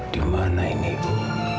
dimana ini ibu